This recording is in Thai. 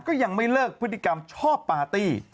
ก็ยังไม่เลิกพฤติกรรมชอบปาร์ตี้